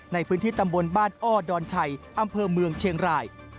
ในพื้นที่ตำบลบ้านอ้อดอนชัยอำเภอเมืองเชียงราย